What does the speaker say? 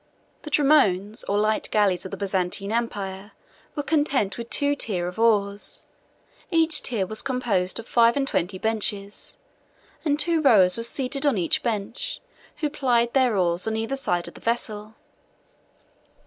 72 The Dromones, 73 or light galleys of the Byzantine empire, were content with two tier of oars; each tier was composed of five and twenty benches; and two rowers were seated on each bench, who plied their oars on either side of the vessel.